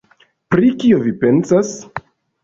“Pri kio vi pensas?”